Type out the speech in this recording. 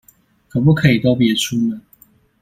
可不可以都別出門